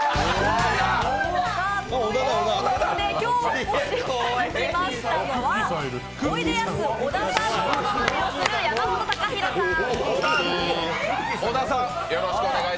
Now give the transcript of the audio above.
今日お越しいただきましたのはおいでやす小田さんのものまねをする山本高広さん。